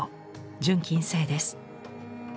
純金製です。